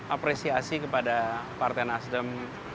apresiasi kepada partai nasdem